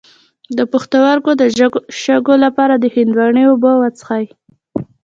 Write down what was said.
د پښتورګو د شګو لپاره د هندواڼې اوبه وڅښئ